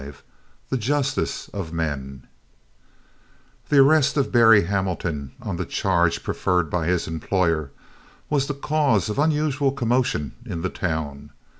V THE JUSTICE OF MEN The arrest of Berry Hamilton on the charge preferred by his employer was the cause of unusual commotion in the town.